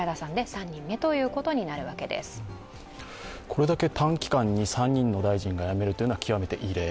これだけ短期間に３人の大臣が辞めるというのは極めて異例。